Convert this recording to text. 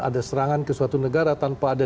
ada serangan ke suatu negara tanpa ada